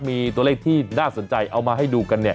มีตัวเลขที่น่าสนใจเอามาให้ดูกัน